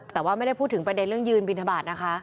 แต่ว่าไม่ได้พูดถึงประเด็นเรื่องยืนบินทบาทนะคะ